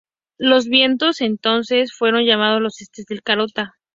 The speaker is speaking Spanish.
Los vientos entonces fueron llamados los "Estes de Krakatoa".